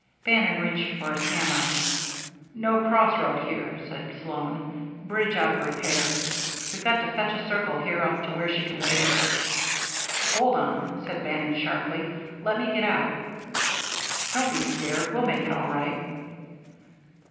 Bannon reached for his hammer. "No crossroad here," said Sloan. "Bridge out of repair. We've got to fetch a circle here up to where she can wade it." "Hold on," said Bannon sharply. "Let me get out." "Don't be scared. We'll make it all right."